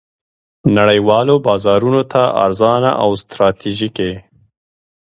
نړیوالو بازارونو ته ارزانه او ستراتیژیکې